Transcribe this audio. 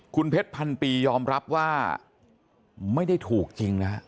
คุณเพชรพันปียอมรับว่าไม่ได้ถูกจริงนะฮะ